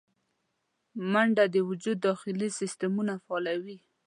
منډه د وجود داخلي سیستمونه فعالوي